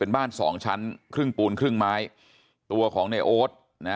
เป็นบ้านสองชั้นครึ่งปูนครึ่งไม้ตัวของในโอ๊ตนะ